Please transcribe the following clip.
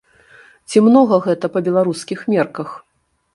Ці многа гэта па беларускіх мерках?